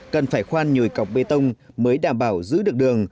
cần phải khoan nhồi cọc bê tông mới đảm bảo giữ được đường